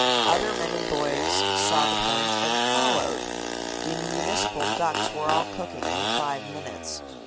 Other men and boys saw the point and followed. The municipal ducks were all cooking in five minutes.